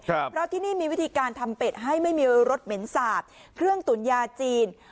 เพราะที่นี่มีวิธีการทำเป็ดให้ไม่มีรสเหม็นสาบเครื่องตุ๋นยาจีน